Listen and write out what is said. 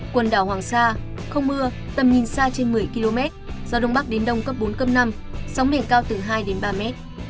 quần đảo hoàng sa không mưa tầm nhìn xa trên một mươi km gió đông bắc đến đông cấp bốn cấp năm sóng biển cao từ hai đến ba mét